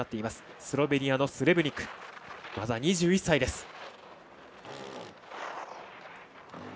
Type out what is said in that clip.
まだ２１歳です。